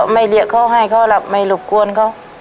ไม่เหลียกเค้าให้เค้าหลับไม่หลุบกวนเค้า